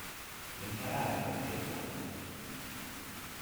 Mintha ráöntötték volna!